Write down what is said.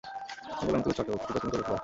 আঙুলে আমি তুলেছি অটল, খুঁজে তুমি চলেছো দ্বার।